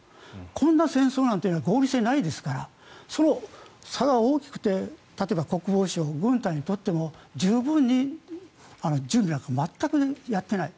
こんな戦争なんて合理性はないですからその差が大きくて例えば国防省、軍隊にとっても十分に準備なんか全くやっていない。